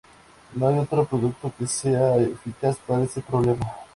No hay otro producto que sea eficaz para este problema.